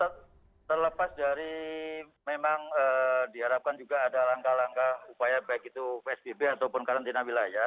terlepas dari memang diharapkan juga ada langkah langkah upaya baik itu psbb ataupun karantina wilayah